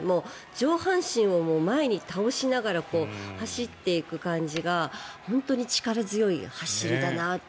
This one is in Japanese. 上半身を前に倒しながら走っていく感じが本当に力強い走りだなと。